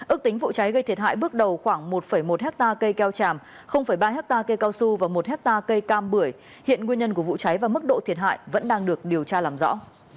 ước tính vụ cháy gây thiệt hại bước đầu khoảng một một hectare cây keo tràm ba hectare cây cao su và một hectare cây cam bưởi hiện nguyên nhân của vụ cháy và mức độ thiệt hại vẫn đang được điều tra làm rõ